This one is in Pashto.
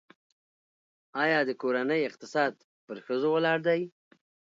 آیا د کورنۍ اقتصاد پر ښځو ولاړ دی؟